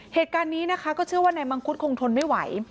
เหตุการณ์นี้นะคะก็เชื่อว่านายมังคุดคงทนไม่ไหว